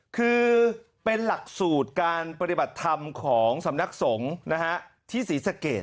คือเป็นหลักสูตรการปฏิบัติธรรมของสำนักสงฆ์ที่ศรีสะเกด